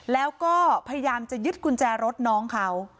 แล้วก็พยายามจะยึดกุญแจรถน้องเขา